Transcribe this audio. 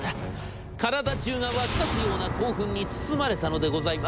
体じゅうが沸き立つような興奮に包まれたのでございます。